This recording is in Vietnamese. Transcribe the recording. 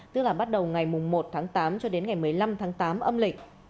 tức là bắt đầu ngày một tháng tám cho đến ngày một mươi năm tháng tám âm lịch